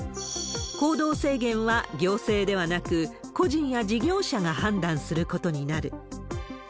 行動制限は行政ではなく、個人や事業者が判断することになる。